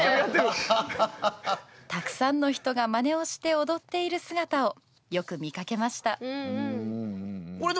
「たくさんの人がまねをして踊っている姿をよく見かけました」。